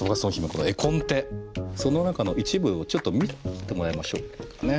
その中の一部をちょっと見てもらいましょうかね。